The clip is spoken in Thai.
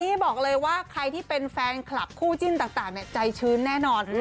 นี่บอกเลยว่าใครที่เป็นแฟนคลับคู่จิ้นต่างใจชื้นแน่นอน